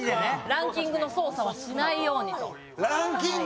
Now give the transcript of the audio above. ランキングの操作はしないようにと。